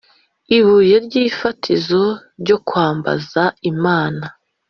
ibuye ry’ifatizo ryo kwambaza imana.